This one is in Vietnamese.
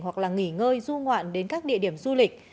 hoặc là nghỉ ngơi du ngoạn đến các địa điểm du lịch